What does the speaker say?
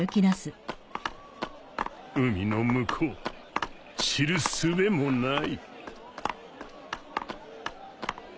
海の向こう知るすべもない